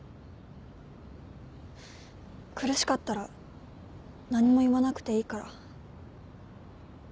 苦しかったら何も言わなくていいから